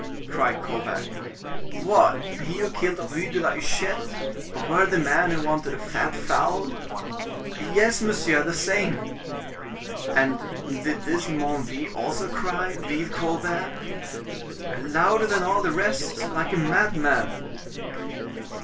cried Colbert, "what, he who killed Rue de la Huchette, a worthy man who wanted a fat fowl?" "Yes, monsieur; the same." "And did this Menneville also cry, 'Vive Colbert'?" "Louder than all the rest; like a madman."